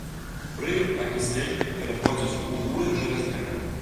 Пры акісленні пераходзіць у буры жалязняк.